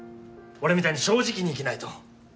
俺みたいに正直に生きないと。